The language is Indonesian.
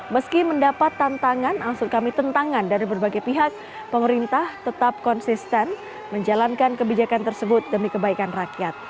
meski mendapat tantangan unsur kami tentangan dari berbagai pihak pemerintah tetap konsisten menjalankan kebijakan tersebut demi kebaikan rakyat